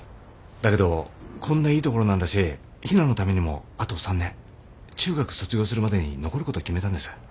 だけどこんないい所なんだしひなのためにもあと三年中学卒業するまで残ること決めたんです。